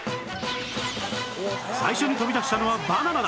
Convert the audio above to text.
最初に飛び出したのはバナナだ